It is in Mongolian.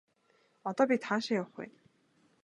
Одоо бид хаашаа явах вэ?